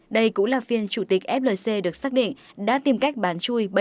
đây cũng là phiên chủ tịch flc được xác định đã tìm cách bán chui